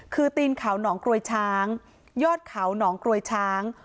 คือตีนเขาหนองกรวยช้างยอดเขาหนองกรวยช้าง